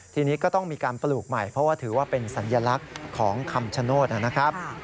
ทีนี้ก็ต้องมีการปลูกใหม่เพราะว่าถือว่าเป็นสัญลักษณ์ของคำชโนธนะครับ